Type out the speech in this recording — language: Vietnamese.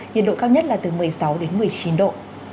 nhiệt độ cao nhất là từ một mươi sáu đến một mươi chín độ